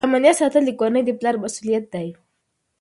د امنیت ساتل د کورنۍ د پلار مسؤلیت دی.